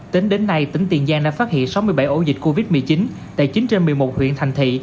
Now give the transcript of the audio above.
tính đến nay tỉnh tiền giang đã phát hiện sáu mươi bảy ổ dịch covid một mươi chín tại chín trên một mươi một huyện thành thị